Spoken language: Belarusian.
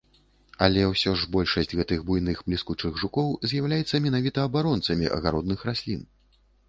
Але ўсё ж большасць гэтых буйных бліскучых жукоў з'яўляецца менавіта абаронцамі агародных раслін.